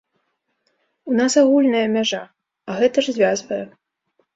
У нас агульная мяжа, а гэта ж звязвае!